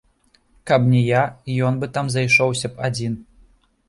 Каб не я, ён бы там зайшоўся б адзін.